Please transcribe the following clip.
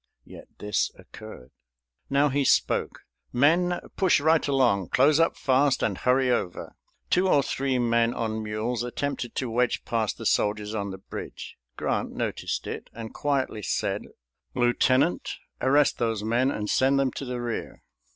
Yet this occurred. Now he spoke, "Men, push right along; close up fast, and hurry over." Two or three men on mules attempted to wedge past the soldiers on the bridge. Grant noticed it, and quietly said, "Lieutenant, arrest those men and send them to the rear."